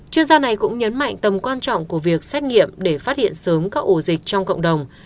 chuyên gia này cũng nhấn mạnh tầm quan trọng của việc xét nghiệm để phát hiện sớm các ổ dịch trong cộng đồng